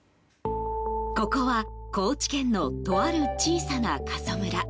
ここは高知県のとある小さな過疎村。